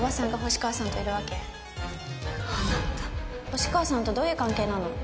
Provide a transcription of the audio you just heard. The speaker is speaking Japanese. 星川さんとどういう関係なの？